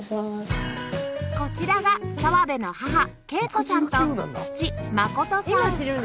こちらが澤部の母恵子さんと父信さん